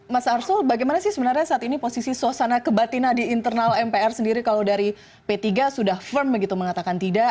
mas arsul bagaimana sih sebenarnya saat ini posisi suasana kebatinan di internal mpr sendiri kalau dari p tiga sudah firm begitu mengatakan tidak